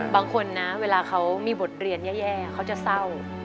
บางคนนะเวลาเขามีบทเรียนแย่เขาจะเศร้า